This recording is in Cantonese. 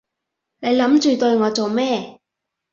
你諗住對我做咩？